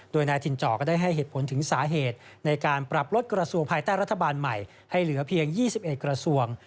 โดยนายถิ่นจอก็ได้ให้เหตุผลถึงสาเหตุในการปรับลดกระทรวงภายใต้รัฐบาลใหม่ให้เหลือเพียง๒๑กระทรวง